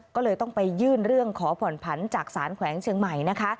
ก็เลยต้องไปยื่นเรื่องขอผ่อนผันจากสารแขวงเชียงใหม่นะคะ